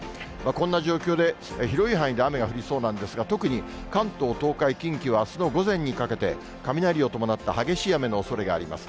こんな状況で、広い範囲で雨が降りそうなんですが、特に関東、東海、近畿はあすの午前にかけて、雷を伴った激しい雨のおそれがあります。